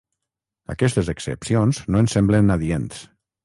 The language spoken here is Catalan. Aquestes excepcions no ens semblen adients.